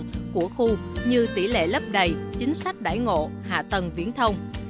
hiệu quả hoạt động của khu như tỷ lệ lớp đầy chính sách đải ngộ hạ tầng viễn thông